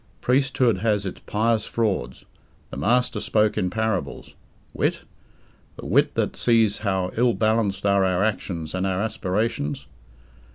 Priesthood has its "pious frauds". The Master spoke in parables. Wit? The wit that sees how ill balanced are our actions and our aspirations?